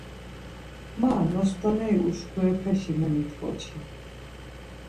Ma nostoneri uşkurepeşi memit̆ǩoçi.